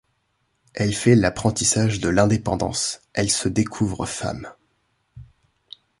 Elle fait l’apprentissage de l’indépendance, elle se découvre femme.